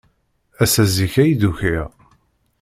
Ass-a, zik ay d-ukiɣ.